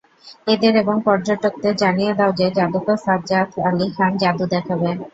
এদের এবং পর্যটকদের জানিয়ে দাও যে, যাদুকর সাজ্জাদ আলী খান যাদু দেখাবে।